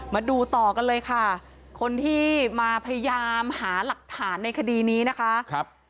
มาดูต่อกันเลยค่ะคนที่มาพยายามหาหลักฐานในคดีนี้นะคะ